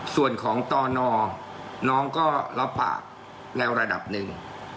ส่วนของตนน้องก็รับปากในระดับหนึ่ง